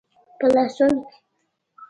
په لاسونو کې